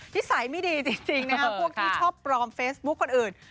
นิสัยไม่ดีจริงนะครับพวกที่ชอบปลอมเฟซบุ๊คคนอื่น